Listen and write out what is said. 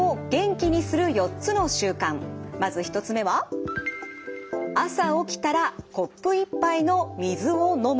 まず１つ目は「朝起きたらコップ１杯の水を飲む」。